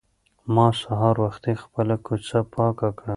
ما سهار وختي خپله کوڅه پاکه کړه.